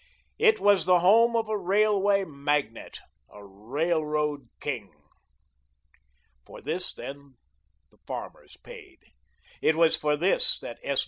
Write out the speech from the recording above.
It was the home of a railway "Magnate," a Railroad King. For this, then, the farmers paid. It was for this that S.